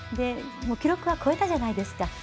記録は超えたじゃないですか